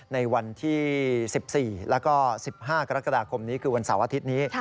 ในวันที่๑๔แล้วก็๑๕กรกฎาคมนี้คือวันเสาร์อาทิตย์นี้